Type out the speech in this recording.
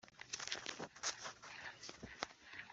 Ihoraho ni umwami w ibihe byose isi itigiswa